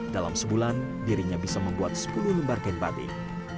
dalam sebulan dirinya bisa membuat sepuluh lembar kain batik